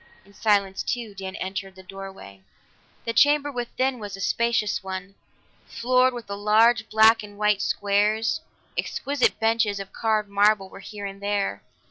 In silence too, Dan entered the doorway. The chamber within was a spacious one, floored with large black and white squares; exquisite benches of carved marble were here and there.